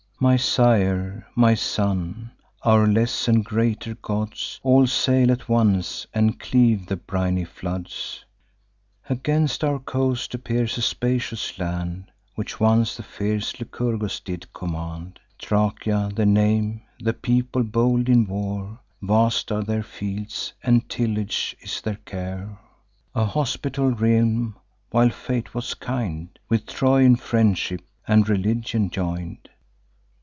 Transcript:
My sire, my son, our less and greater gods, All sail at once, and cleave the briny floods. "Against our coast appears a spacious land, Which once the fierce Lycurgus did command, Thracia the name; the people bold in war; Vast are their fields, and tillage is their care, A hospitable realm while Fate was kind, With Troy in friendship and religion join'd.